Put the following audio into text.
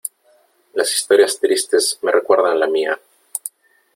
las historias tristes me recuerdan la mía .